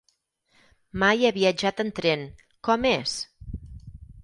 Mai he viatjat en tren, com és?